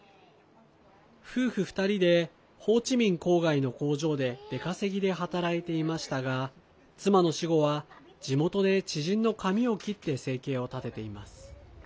夫婦二人でホーチミン郊外の工場で出稼ぎで働いていましたが妻の死後は、地元で知人の髪を切って生計を立てています。